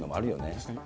確かに。